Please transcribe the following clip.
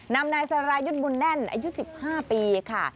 นายสรายุทธ์บุญแน่นอายุ๑๕ปีค่ะ